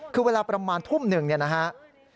คือเวลาประมาณทุ่มหนึ่งเนี่ยนะครับ